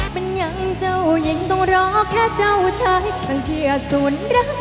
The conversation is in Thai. เป็นยังเจ้ายิงต้องรอแค่เจ้าชายทำเทียดสุนรัก